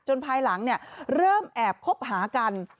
ภายหลังเริ่มแอบคบหากัน